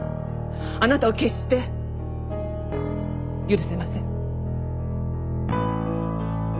あなたを決して許せません。